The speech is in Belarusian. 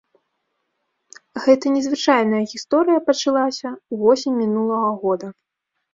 Гэта незвычайная гісторыя пачалася ўвосень мінулага года.